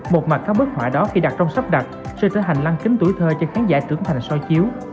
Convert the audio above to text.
một mặt các bức họa đó khi đặt trong sắp đặt sẽ trở thành lăng kính tuổi thơ cho khán giả tưởng thành so chiếu